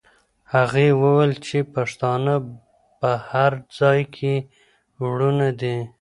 هغې وویل چې پښتانه په هر ځای کې وروڼه دي.